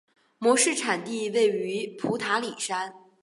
模式产地位于普塔里山。